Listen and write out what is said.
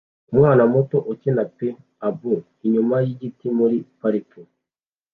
Umwana muto ukina peek-a-boo inyuma yigiti muri parike